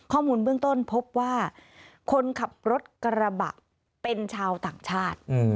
ข้อมูลเบื้องต้นพบว่าคนขับรถกระบะเป็นชาวต่างชาติ